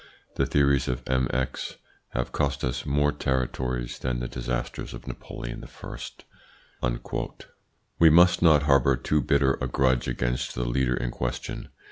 The theories of M. X have cost us more territories than the disasters of Napoleon I." We must not harbour too bitter a grudge against the leader in question.